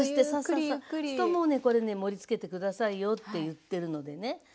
するともうねこれね盛りつけて下さいよっていってるのでね。